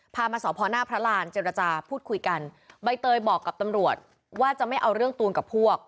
มาสอบพอหน้าพระรานเจรจาพูดคุยกันใบเตยบอกกับตำรวจว่าจะไม่เอาเรื่องตูนกับพวก